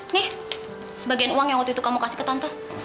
nih sebagian uang yang waktu itu kamu kasih ke tante